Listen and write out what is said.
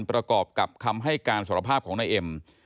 ประกอบกับคำให้การสารภาพของนายเอ็ม